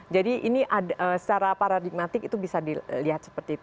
jadi ini secara paradigmatik itu bisa dilihat seperti itu